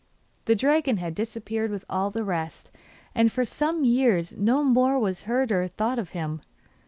The dragon had disappeared with all the rest, and for some years no more was heard or thought of him.